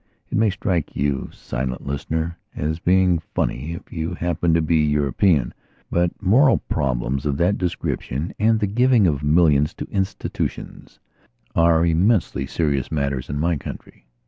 It may strike you, silent listener, as being funny if you happen to be European. But moral problems of that description and the giving of millions to institutions are immensely serious matters in my country.